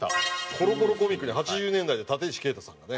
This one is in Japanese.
『コロコロコミック』で１９８０年代に立石佳太さんがね。